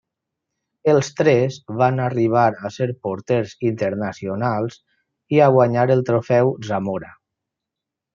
Els tres van arribar a ser porters internacionals i a guanyar el Trofeu Zamora.